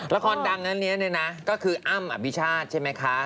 ละครดังนั้นเนี่ยนะก็คืออ้ำอภิชาติใช่ไหมคะ